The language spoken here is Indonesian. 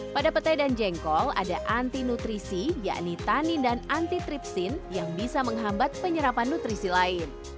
pada petai dan jengkol ada anti nutrisi yakni tanin dan anti tripsin yang bisa menghambat penyerapan nutrisi lain